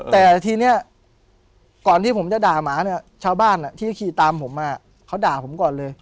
แต่ทีนี้ก่อนที่ผมจะด่าหมาเนี่ยชาวบ้านที่ขี่ตามผมมาเขาด่าผมก่อนเลย